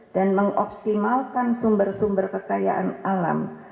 dan mengoptimalkan sumber sumber kekayaan alam